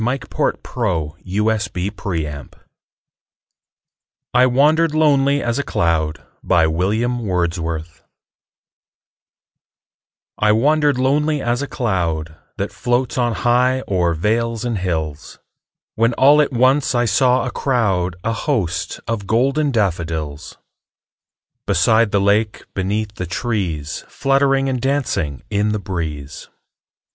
William Wordsworth I Wandered Lonely As a Cloud I WANDERED lonely as a cloud That floats on high o'er vales and hills, When all at once I saw a crowd, A host, of golden daffodils; Beside the lake, beneath the trees, Fluttering and dancing in the breeze.